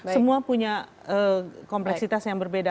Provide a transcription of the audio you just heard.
semua punya kompleksitas yang berbeda